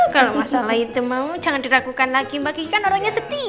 kalo masalah itu mbak mu jangan diragukan lagi mbak keki kan orangnya setia